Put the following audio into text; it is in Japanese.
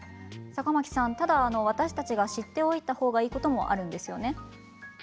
ただ、私たちが知っておいた方がいいこともあるんですよね。